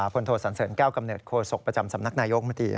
โทสันเสริญแก้วกำเนิดโคศกประจำสำนักนายกมตรี